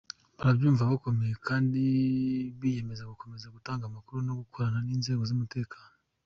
Barabyumva, barakomeye kandi biyemeza gukomeza gutanga amakuru no gukorana n’inzego z’umutekano.